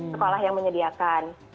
sekolah yang menyediakan